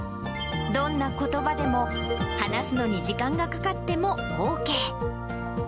どんなことばでも、話すのに時間がかかってもＯＫ。